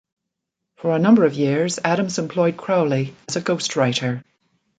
For a number of years Adams employed Crowley as a ghost-writer.